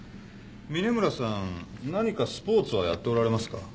峰村さん何かスポーツはやっておられますか？